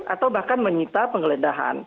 atau bahkan menyita penggeledahan